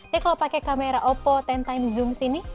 tapi kalau pakai kamera oppo sepuluh x zoom sini